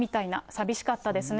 寂しかったですね。